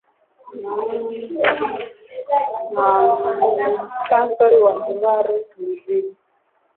unaanze na muhtasari wa habari muziki